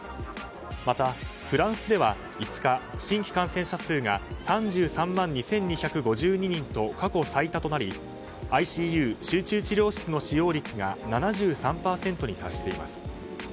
またフランスでは５日、新規感染者数が３３万２２５２人と過去最多となりＩＣＵ・集中治療室の使用率が７３％に達しています。